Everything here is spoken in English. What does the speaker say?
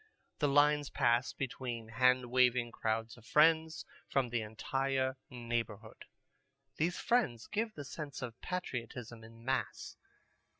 The lines pass between hand waving crowds of friends from the entire neighborhood. These friends give the sense of patriotism in mass.